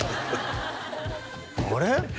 あれ？